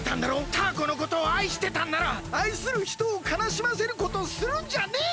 タアコのことをあいしてたんならあいするひとをかなしませることをするんじゃねえよ！